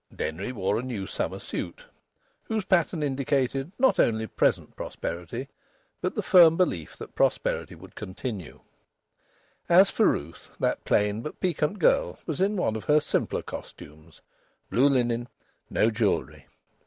Denry wore a new summer suit, whose pattern indicated not only present prosperity but the firm belief that prosperity would continue. As for Ruth, that plain but piquant girl was in one of her simpler costumes; blue linen; no jewellery.